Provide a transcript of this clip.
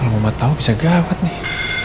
kalau mama tau bisa gawat nih